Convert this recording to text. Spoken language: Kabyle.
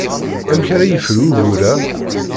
Amek ara yefru ugur-a?